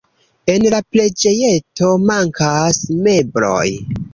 En la preĝejeto mankas mebloj.